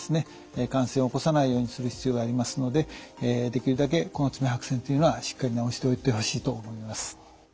感染を起こさないようにする必要がありますのでできるだけこの爪白癬っていうのはしっかり治しておいてほしいと思います。